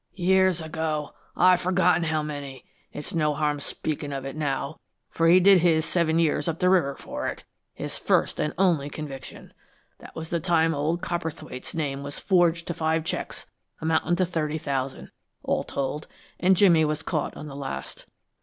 "Years ago; I've forgotten how many. It's no harm speakin' of it now, for he did his seven years up the river for it his first and only conviction. That was the time old Cowperthwaite's name was forged to five checks amounting to thirty thousand, all told, and Jimmy was caught on the last."